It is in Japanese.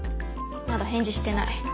まだ返事してない。